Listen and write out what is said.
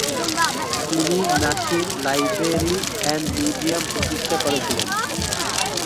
তিনি "Nasir library and museum" প্রতিষ্ঠা করেছিলেন।